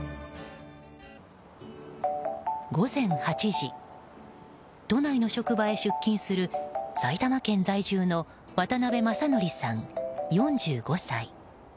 午前８時、都内の職場へ出勤する埼玉県在住の渡邊雅徳さん、４５歳。